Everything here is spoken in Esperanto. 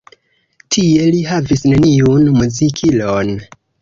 Tie li havis neniun muzikilon.